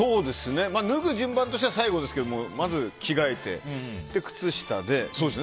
脱ぐ順番としては最後ですけどまず着替えて、靴下で。